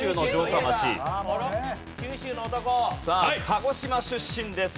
鹿児島出身です